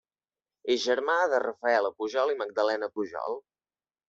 És germà de Rafaela Pujol i Magdalena Pujol.